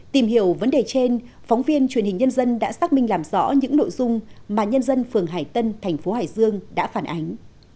tìm hiểu vấn đề trên phóng viên truyền hình nhân dân đã xác minh làm rõ những nội dung mà nhân dân phường hải tân thành phố hải dương đã phản ánh